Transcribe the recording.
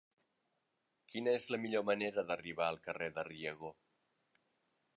Quina és la millor manera d'arribar al carrer de Riego?